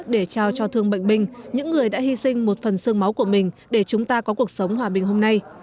để trao cho thương bệnh binh những người đã hy sinh một phần sương máu của mình để chúng ta có cuộc sống hòa bình hôm nay